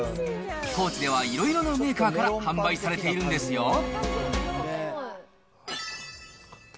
高知ではいろいろなメーカーから販売されているんですよ。